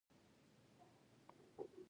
د مرئیتوب نظام په اوږدو کې شدیده مبارزه وه.